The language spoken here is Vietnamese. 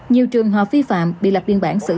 nhiều trường họ phi phạm bị lập biên bản